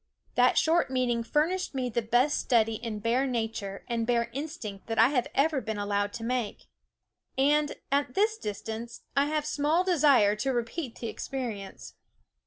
That short meeting furnished me the best study in bear nature and bear instinct that I have ever been allowed to make. And, at this distance, I have small desire to repeat the experience.